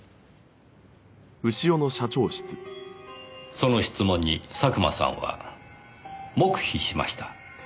その質問に佐久間さんは黙秘しました。